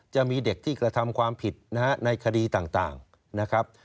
จะมีเด็กที่กระทำความผิดนะฮะในคดีต่างนะครับ